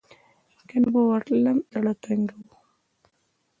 که نه به ورتلم زړه تنګۍ و.